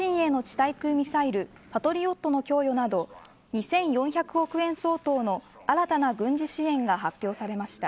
対空ミサイルパトリオットの供与など２４００億円相当の新たな軍事支援が発表されました。